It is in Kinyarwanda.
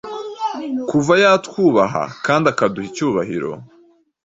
Kuva yatwubaha kandi akaduha icyubahiro